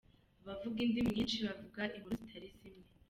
Abavuga indimi nyinshi bavuga inkuru zitari zimwe.